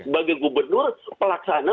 bagi gubernur pelaksana